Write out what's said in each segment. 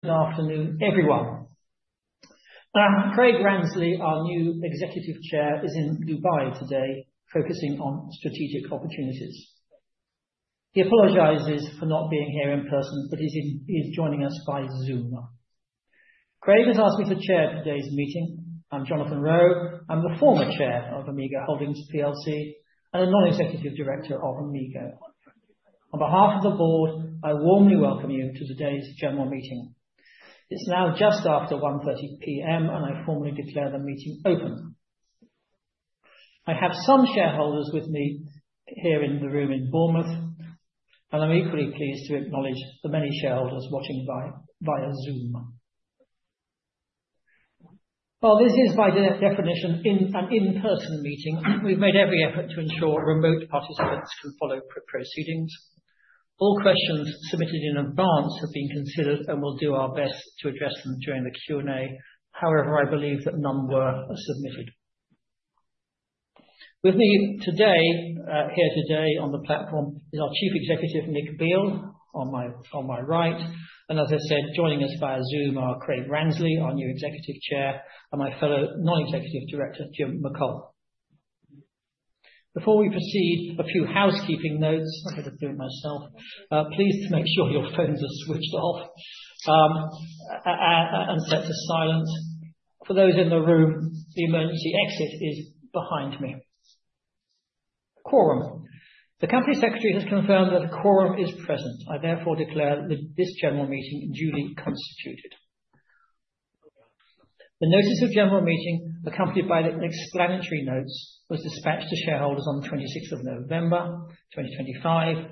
Good afternoon, everyone. Craig Ransley, our new Executive Chair, is in Dubai today focusing on strategic opportunities. He apologizes for not being here in person, but he's joining us by Zoom. Craig has asked me to chair today's meeting. I'm Jonathan Roe. I'm the former chair of Amigo Holdings PLC and a non-executive director of Amigo. On behalf of the board, I warmly welcome you to today's general meeting. It's now just after 1:30 P.M., and I formally declare the meeting open. I have some shareholders with me here in the room in Bournemouth, and I'm equally pleased to acknowledge the many shareholders watching via Zoom. While this is, by definition, an in-person meeting, we've made every effort to ensure remote participants can follow proceedings. All questions submitted in advance have been considered, and we'll do our best to address them during the Q&A. However, I believe that none were submitted. With me here today on the platform is our Chief Executive, Nick Beal, on my right. And as I said, joining us via Zoom are Craig Ransley, our new Executive Chair, and my fellow Non-Executive Director, Jim McColl. Before we proceed, a few housekeeping notes. I'm going to do it myself. Please make sure your phones are switched off and set to silent. For those in the room, the emergency exit is behind me. Quorum. The Company Secretary has confirmed that a quorum is present. I therefore declare this General Meeting duly constituted. The Notice of General Meeting, accompanied by the explanatory notes, was dispatched to shareholders on the 26th of November 2025.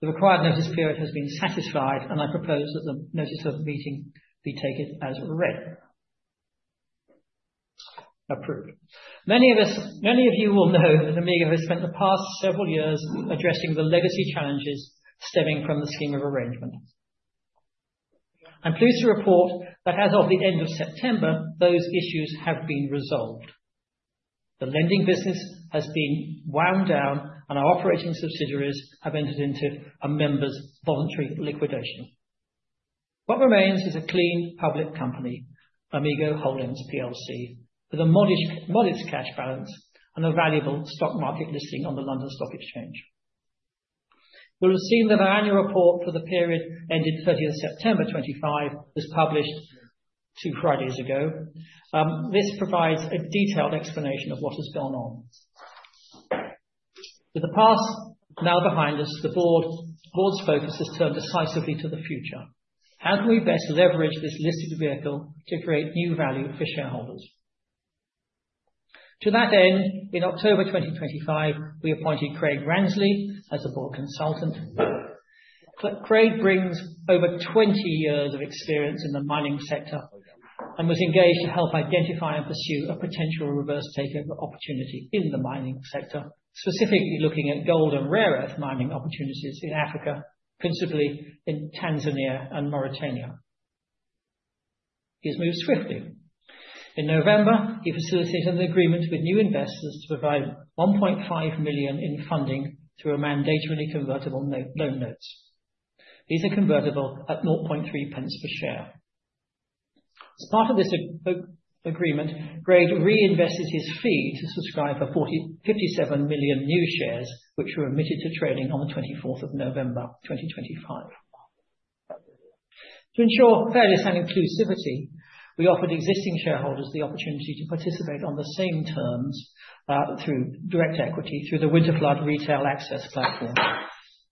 The required notice period has been satisfied, and I propose that the Notice of Meeting be taken as read. Approved. Many of you will know that Amigo has spent the past several years addressing the legacy challenges stemming from the scheme of arrangement. I'm pleased to report that as of the end of September, those issues have been resolved. The lending business has been wound down, and our operating subsidiaries have entered into a members' voluntary liquidation. What remains is a clean public company, Amigo Holdings PLC, with a modest cash balance and a valuable stock market listing on the London Stock Exchange. You'll have seen that our annual report for the period ending 30th September 2025 was published two Fridays ago. This provides a detailed explanation of what has gone on. With the past now behind us, the board's focus has turned decisively to the future. How can we best leverage this listed vehicle to create new value for shareholders? To that end, in October 2025, we appointed Craig Ransley as a board consultant. Craig brings over 20 years of experience in the mining sector and was engaged to help identify and pursue a potential reverse takeover opportunity in the mining sector, specifically looking at gold and rare earth mining opportunities in Africa, principally in Tanzania and Mauritania. He has moved swiftly. In November, he facilitated an agreement with new investors to provide 1.5 million in funding through a mandatory convertible loan notes. These are convertible at 0.3 pence per share. As part of this agreement, Craig reinvested his fee to subscribe for 57 million new shares, which were admitted to trading on the 24th of November, 2025. To ensure fairness and inclusivity, we offered existing shareholders the opportunity to participate on the same terms through direct equity through the Winterflood Retail Access Platform.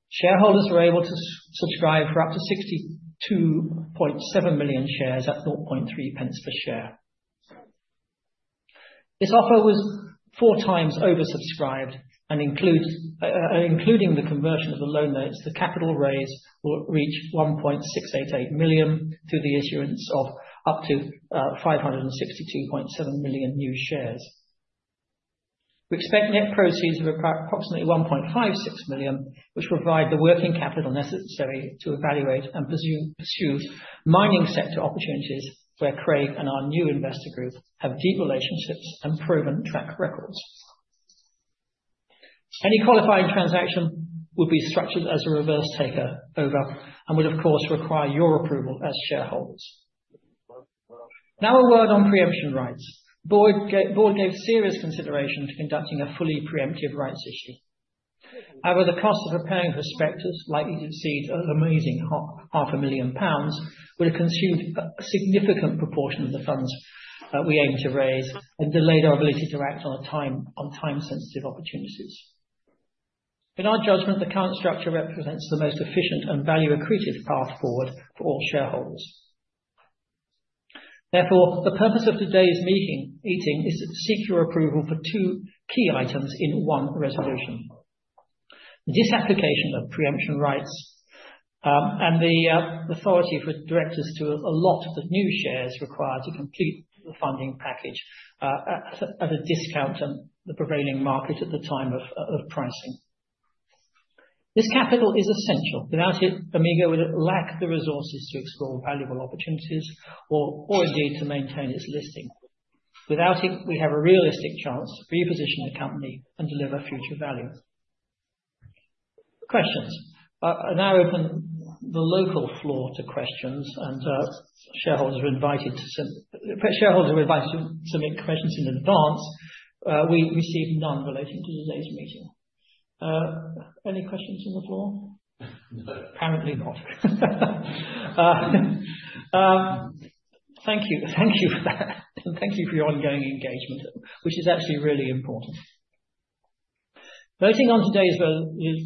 Shareholders were able to subscribe for up to 62.7 million shares at 0.003 per share. This offer was 4x oversubscribed, and including the conversion of the loan notes, the capital raise will reach 1.688 million through the issuance of up to 562.7 million new shares. We expect net proceeds of approximately 1.56 million, which will provide the working capital necessary to evaluate and pursue mining sector opportunities where Craig and our new investor group have deep relationships and proven track records. Any qualifying transaction would be structured as a reverse takeover and would, of course, require your approval as shareholders. Now, a word on preemption rights. The board gave serious consideration to conducting a fully preemptive rights issue. However, the cost of preparing a prospectus likely to exceed 500,000 pounds would have consumed a significant proportion of the funds we aim to raise and delayed our ability to act on time-sensitive opportunities. In our judgment, the current structure represents the most efficient and value-accretive path forward for all shareholders. Therefore, the purpose of today's meeting is to seek your approval for two key items in one resolution: the disapplication of preemption rights and the authority for directors to allot the new shares required to complete the funding package at a discount on the prevailing market at the time of pricing. This capital is essential. Without it, Amigo would lack the resources to explore valuable opportunities or indeed to maintain its listing. Without it, we have a realistic chance to reposition the company and deliver future value. Questions. I now open the local floor to questions, and shareholders are invited to submit questions in advance. We received none relating to today's meeting. Any questions on the floor? No. Apparently not. Thank you. Thank you for that. And thank you for your ongoing engagement, which is actually really important. Voting on today's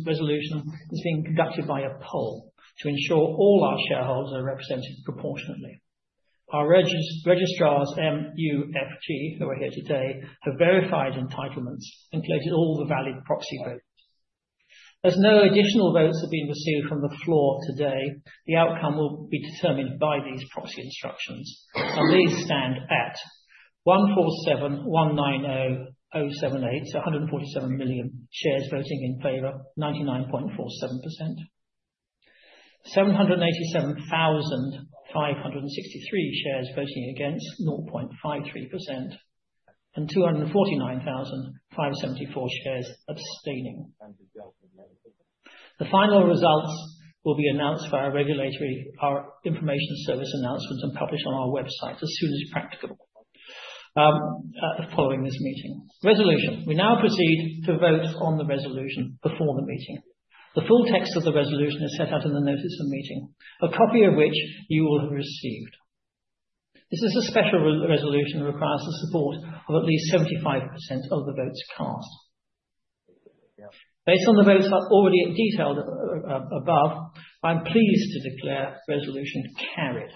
resolution is being conducted by a poll to ensure all our shareholders are represented proportionately. Our registrars, MUFG who are here today, have verified entitlements and collected all the valid proxy votes. As no additional votes have been received from the floor today, the outcome will be determined by these proxy instructions. And these stand at 147,190,078, so 147 million shares voting in favor, 99.47%, 787,563 shares voting against, 0.53%, and 249,574 shares abstaining. The final results will be announced via our information service announcements and published on our website as soon as practicable following this meeting. Resolution. We now proceed to vote on the resolution before the meeting. The full text of the resolution is set out in the notice of meeting, a copy of which you will have received. This is a special resolution that requires the support of at least 75% of the votes cast. Based on the votes already detailed above, I'm pleased to declare resolution carried.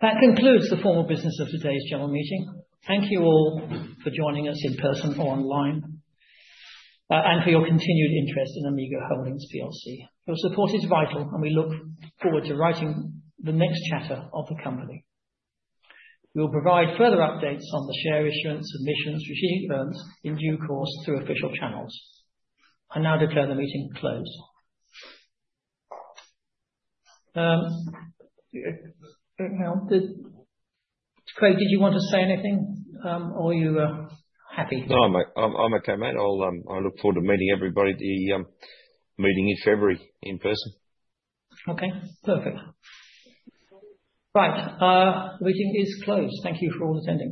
That concludes the formal business of today's general meeting. Thank you all for joining us in person or online and for your continued interest in Amigo Holdings PLC. Your support is vital, and we look forward to writing the next chapter of the company. We will provide further updates on the share issuance, submissions, and receiving firms in due course through official channels. I now declare the meeting closed. Craig, did you want to say anything, or are you happy? No, I'm okay, mate. I look forward to meeting everybody. The meeting is February in person. Okay. Perfect. Right. The meeting is closed. Thank you for all attending.